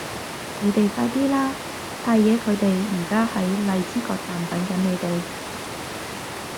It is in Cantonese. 你哋快啲啦!太爺佢哋而家喺荔枝角站等緊你哋